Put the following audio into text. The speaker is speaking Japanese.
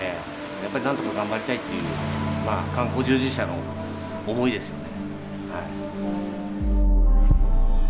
やっぱりなんとか頑張りたいっていう観光従事者の思いですよね。